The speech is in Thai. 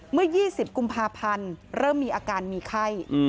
เมื่อ๒๐กุมภาพันธ์เริ่มมีอาการมีไข้